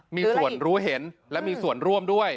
มีส่วนรู้เห็นและมีส่วนร่วมด้วย